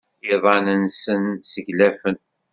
Iḍan-nsent sseglafen.